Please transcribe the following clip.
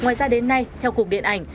ngoài ra đến nay theo cục điện ảnh